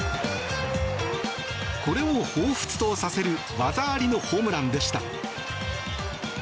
これをほうふつとさせる技ありのホームランでした。